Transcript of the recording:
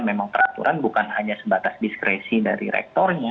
memang peraturan bukan hanya sebatas diskresi dari rektornya